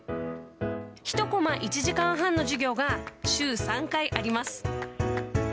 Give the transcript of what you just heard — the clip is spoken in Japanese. １コマ１時間半の授業が週３回あります。